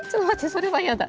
それは嫌だ。